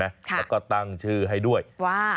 แล้วก็ตั้งชื่อให้ด้วยว่า